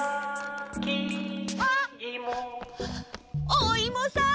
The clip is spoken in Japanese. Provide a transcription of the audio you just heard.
おいもさん！